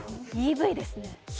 ＥＶですね。